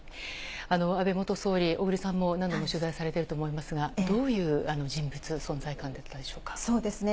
安倍元総理、小栗さんも何度も取材されてると思いますが、どういう人物、そうですね。